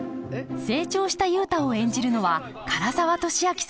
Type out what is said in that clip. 成長した雄太を演じるのは唐沢寿明さん。